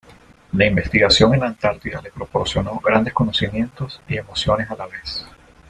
La investigación en la Antártida le proporcionó grandes conocimientos y emociones a la vez.